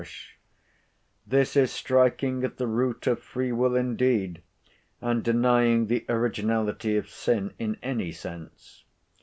This is striking at the root of free will indeed, and denying the originality of sin in any sense.